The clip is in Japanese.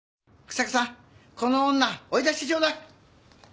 日下さんこの女追い出してちょうだい！